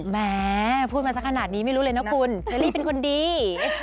แหมพูดมาสักขนาดนี้ไม่รู้เลยนะคุณเชอรี่เป็นคนดี